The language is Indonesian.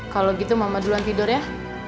kalau gitu mama duluan tidur ya